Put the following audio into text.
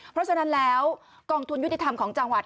เพราะฉะนั้นแล้วกองทุนยุติธรรมของจังหวัด